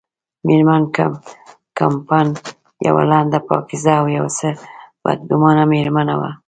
مېرمن کمپن یوه لنډه، پاکیزه او یو څه بدګمانه مېرمن وه.